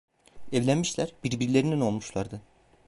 Evlenmişler; birbirlerinin olmuşlardı.